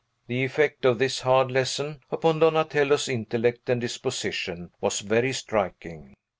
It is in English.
The effect of this hard lesson, upon Donatello's intellect and disposition, was very striking.